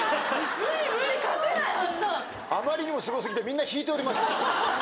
あまりにもすご過ぎてみんな引いております。